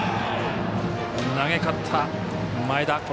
投げ勝った前田。